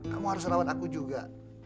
kamu harus rawat aku juga